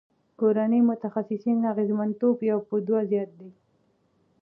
کورني متخصصین اغیزمنتوب یو په دوه زیات دی.